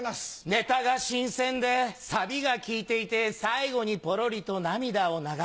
ネタが新鮮でサビが利いていて最後にぽろりと涙を流す。